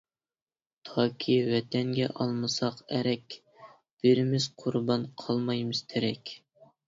تاكى ۋەتەنگە ئالمىساق ئەرك، بېرىمىز قۇربان قالمايمىز تىرىك.